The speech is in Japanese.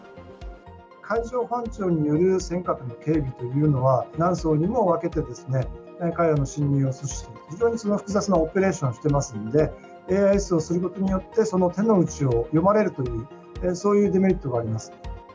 海上保安庁による尖閣の警備というのは、何層にも分けて、彼らの侵入を阻止する、非常に複雑なオペレーションしてますので、ＡＩＳをすることによって、その手の内を読まれるという、そういうデメリットがありま